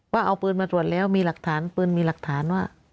ว่าเอาปืนมาตรวจแล้วมีหลักฐาน